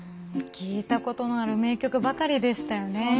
聴いたことのある名曲ばかりでしたよね。